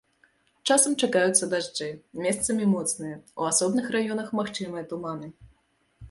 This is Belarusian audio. Часам чакаюцца дажджы, месцамі моцныя, у асобных раёнах магчымыя туманы.